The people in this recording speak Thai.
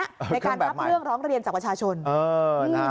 ในการรับเรื่องร้องเรียนจากประชาชน